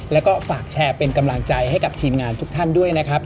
แล้วก็ฝากแชร์เป็นกำลังใจให้กับทีมงานทุกท่านด้วยนะครับ